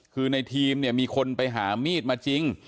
คือในทีมเนี่ยมีคนไปหามีดมาจริง